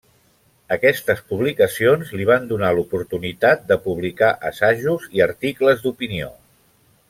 Aquestes publicacions li van donar l'oportunitat de publicar assajos i articles d'opinió.